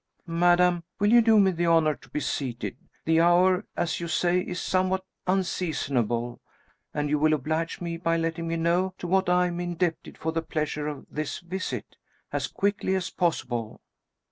"Madame, will you do me the honor to be seated. The hour, as you say, is somewhat unseasonable, and you will oblige me by letting me know to what I am indebted for the pleasure of this visit, as quickly as possible."